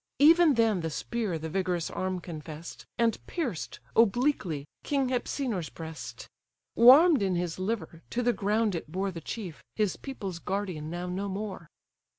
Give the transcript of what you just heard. Even then the spear the vigorous arm confess'd, And pierced, obliquely, king Hypsenor's breast: Warm'd in his liver, to the ground it bore The chief, his people's guardian now no more!